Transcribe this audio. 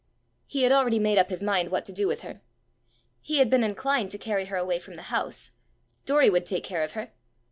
He had already made up his mind what to do with her. He had been inclined to carry her away from the house: Doory would take care of her!